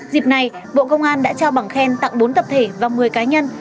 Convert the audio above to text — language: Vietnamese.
dịp này bộ công an đã trao bằng khen tặng bốn tập thể và một mươi cá nhân